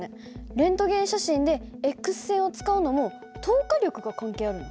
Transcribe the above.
レントゲン写真でＸ線を使うのも透過力が関係あるの？